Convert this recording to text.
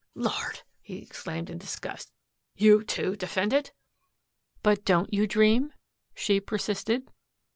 "Lord," he exclaimed in disgust, "you, too, defend it?" "But, don't you dream?" she persisted.